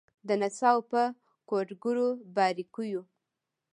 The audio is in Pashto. د نڅاوو په کوډګرو باریکېو